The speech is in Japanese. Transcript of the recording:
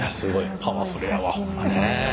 パワフルやわホンマね。